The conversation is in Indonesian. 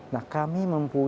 nah kami mempunyai